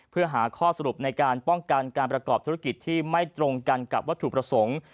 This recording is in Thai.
เพื่อหาข้อสรุปในการป้องกันการประกอบธุรกิจที่ไม่ตรงกันกับวัตถุประสงค์